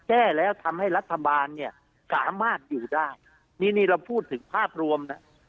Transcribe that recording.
แก้แล้วทำให้รัฐบาลเนี่ยสามารถอยู่ได้นี่นี่เราพูดถึงภาพรวมนะ